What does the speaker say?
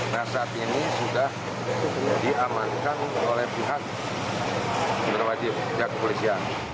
nah saat ini sudah diamankan oleh pihak berwajib pihak kepolisian